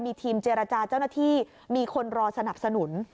มีทีมเจรจาเจ้าหน้าที่มีคนรอสนับสนุน